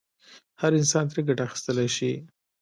هر انسان ترې ګټه اخیستلای شي.